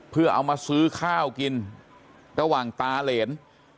เพื่อเอามาซื้อข้าวกินระหว่างตาเหรน